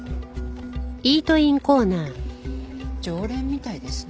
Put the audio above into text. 常連みたいですね。